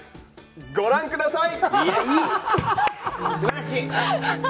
ご覧ください！